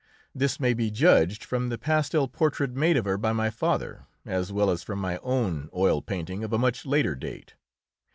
This may be judged from the pastel portrait made of her by my father, as well as from my own oil painting of a much later date.